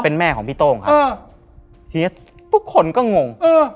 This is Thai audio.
เป็นแม่ของพี่โต้งครับทีนี้ทุกคนก็งง